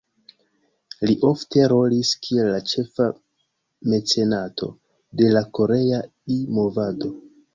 Li ofte rolis kiel la ĉefa mecenato de la korea E-movado.